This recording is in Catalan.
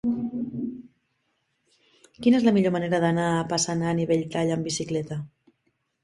Quina és la millor manera d'anar a Passanant i Belltall amb bicicleta?